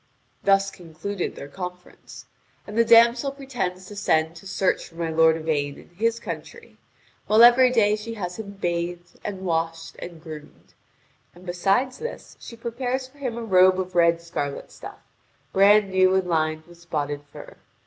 Thus concluded their conference. And the damsel pretends to send to search for my lord Yvain in his country; while every day she has him bathed, and washed, and groomed. And besides this she prepares for him a robe of red scarlet stuff, brand new and lined with spotted fur.